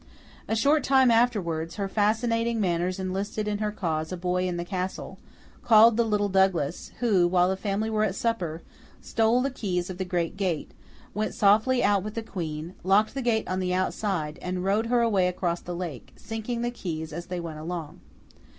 A short time afterwards, her fascinating manners enlisted in her cause a boy in the Castle, called the little Douglas, who, while the family were at supper, stole the keys of the great gate, went softly out with the Queen, locked the gate on the outside, and rowed her away across the lake, sinking the keys as they went along.